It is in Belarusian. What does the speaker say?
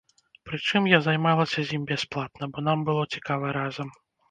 Прычым, я займалася з ім бясплатна, бо нам было цікава разам.